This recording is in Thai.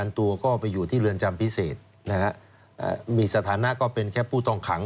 ตัวก็ไปอยู่ที่เรือนจำพิเศษนะฮะมีสถานะก็เป็นแค่ผู้ต้องขัง